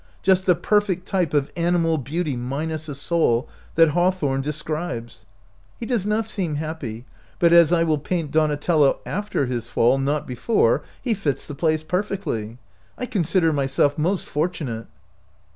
Just the perfect type of animal beauty, minus a soul, that Haw thorne describes. He does not seem happy, but as I will paint Donatello after his fall, not before, he fits the place perfectly. I consider myself most fortunate."